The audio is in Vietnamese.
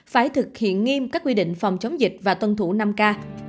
phải thực hiện nghiêm các quy định phòng chống dịch và tuân thủ năm k